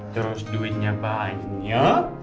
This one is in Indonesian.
terus duitnya banyak